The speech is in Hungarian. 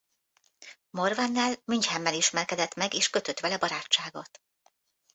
Morvannel Münchenben ismerkedett meg és kötött vele barátságot.